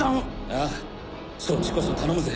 ああそっちこそ頼むぜ。